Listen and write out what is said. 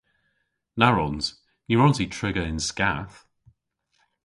Na wrons! Ny wrons i triga yn skath.